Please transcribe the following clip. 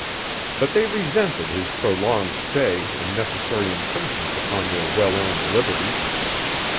But they resented his prolonged stay and necessary infringement upon their well earned liberty.